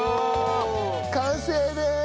完成です！